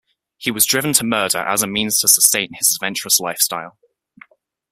He was driven to murder as a means to sustain his adventurous lifestyle.